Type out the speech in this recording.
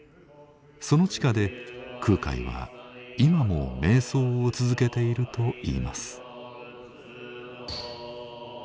その地下で空海は今も瞑想を続けているといいます。